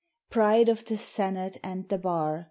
Pride of the Senate and the Bar!